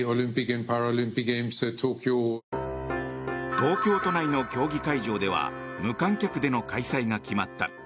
東京都内の競技会場では無観客での開催が決まった。